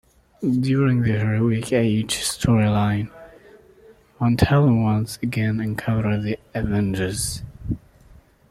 During the "Heroic Age" storyline, Mentallo once again encountered the Avengers.